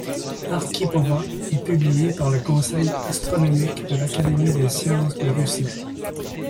Arkhipova et publiées par le Conseil astronomique de l'Académie des sciences de Russie.